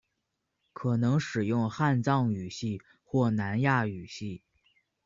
可能使用汉藏语系或南亚语系。